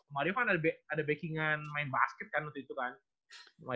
mario kan ada backing an main basket kan waktu itu kan